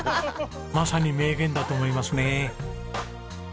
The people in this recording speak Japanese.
まさに名言だと思いますね。